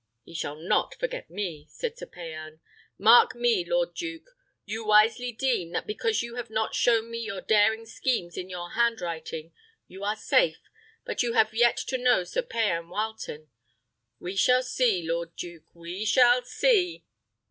"He shall not forget me," said Sir Payan. "Mark me, lord duke: you wisely deem, that because you have not shown me your daring schemes in your hand writing, you are safe, but you have yet to know Sir Payan Wileton. We shall see, lord duke! we shall see!